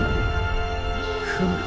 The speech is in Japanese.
フム。